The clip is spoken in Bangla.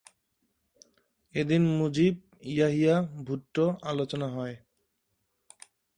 এদিন মুজিব-ইয়াহিয়া-ভুট্টো আলোচনা হয়।